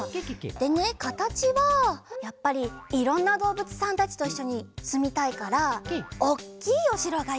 でねかたちはやっぱりいろんなどうぶつさんたちといっしょにすみたいからおっきいおしろがいいかな。